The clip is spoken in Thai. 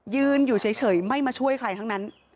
ยืนอยู่เฉยไม่มาช่วยใครทั้งนั้น